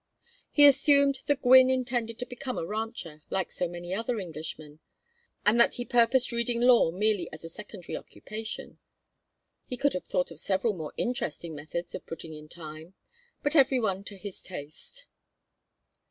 He assumed that Gwynne intended to become a rancher, like so many other Englishmen, and that he purposed reading law merely as a secondary occupation. He could have thought of several more interesting methods of putting in time; but every one to his taste.